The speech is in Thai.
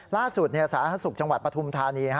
ล่าสุดสาธารณสุขจังหวัดปฐุมธานี